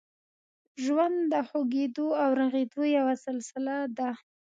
ژوند د خوږېدو او رغېدو یوه سلسله ده.